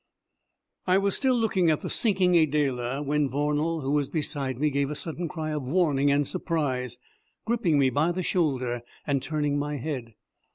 I was still looking at the sinking Adela when Vornal, who was beside me, gave a sudden cry of warning and surprise, gripping me by the shoulder and turning my head.